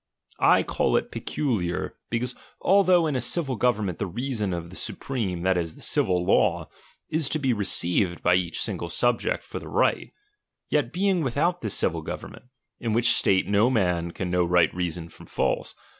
I call it peculiar, because altlioiigh in a civil gnt emment the reason of the supreme, that la, the rivil law, ■$ to be m«ived by e«ch single subject for Ihe right ; yrt ttdog without this civil gcremment, in whicli »|RI( no man can know right reascm from Use.